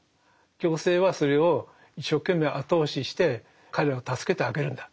行政はそれを一生懸命後押しして彼らを助けてあげるんだ。